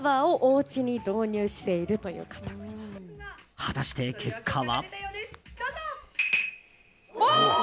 果たして、結果は。